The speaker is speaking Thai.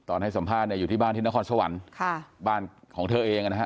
ตอนให้สัมภาษณ์อยู่ที่บ้านที่นครชวรรค์บ้านของเธอเองนะฮะ